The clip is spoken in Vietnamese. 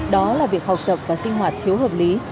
đó là việc học tập và sinh hoạt thiếu hợp lý